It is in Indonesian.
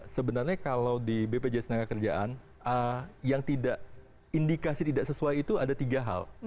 sebenarnya kalau di bpjs tenaga kerjaan yang tidak indikasi tidak sesuai itu ada tiga hal